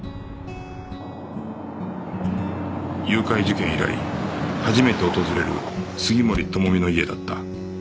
誘拐事件以来初めて訪れる杉森知美の家だった